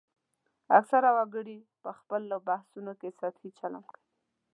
اکثره وګړي په خپلو بحثونو کې سطحي چلند کوي